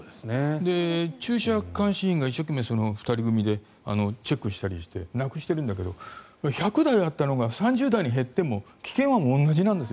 駐車監視員が一生懸命２人組でチェックしたりしてなくしているんだけど１００台あったのが３０台に減っても危険は同じなんです。